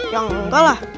ya enggak lah